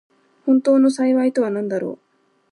本当の幸いとはなんだろう。